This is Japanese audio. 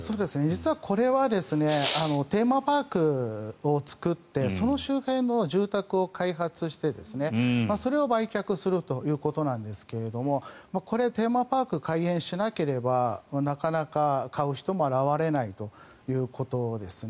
実はこれはテーマパークを作ってその周辺の住宅を開発してそれを売却するということなんですがこれ、テーマパーク開園しなければなかなか買う人も現れないということですね。